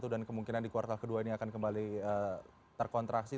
dan kemungkinan di kuartal kedua ini akan kembali terkontraksi